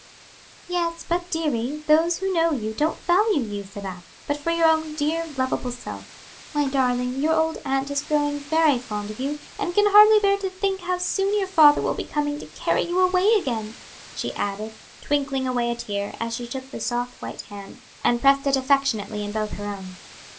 "Yes; but, dearie, those who know you don't value you for that, but for your own dear, lovable self. My darling, your old aunt is growing very fond of you, and can hardly bear to think how soon your father will be coming to carry you away again," she added, twinkling away a tear, as she took the soft, white hand, and pressed it affectionately in both her own.